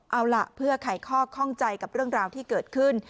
เอาล่ะเพื่อไขข้อข้องใจกับเรื่องราวที่เกิดขึ้น